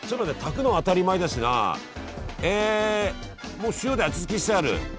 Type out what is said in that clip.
もう塩で味付けしてある。